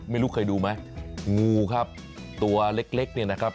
ไม่รู้เคยดูไหมงูครับตัวเล็กเนี่ยนะครับ